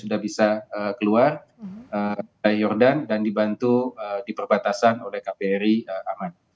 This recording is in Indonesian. sudah bisa keluar dari jordan dan dibantu di perbatasan oleh kbri aman